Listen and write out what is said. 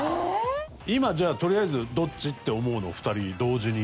今じゃあとりあえずどっちって思うのを２人同時に。